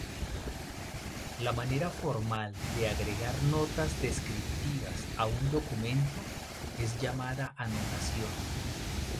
La manera formal de agregar notas descriptivas a un documento es llamada anotación.